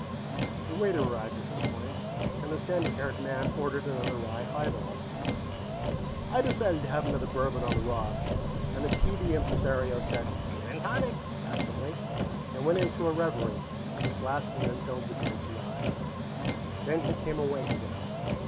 The waiter arrived at this point, and the sandy haired man ordered another rye highball. I decided to have another bourbon on the rocks, and the TV impresario said, "Gin and tonic," absently, and went into a reverie which lasted until the drinks arrived. Then he came awake again.